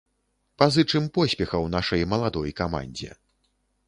Пазычым поспехаў нашай маладой камандзе.